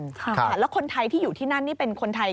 ค่ะแล้วคนไทยที่อยู่ที่นั่นนี่เป็นคนไทย